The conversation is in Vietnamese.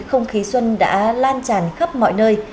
không khí xuân đã lan tràn khắp mọi nơi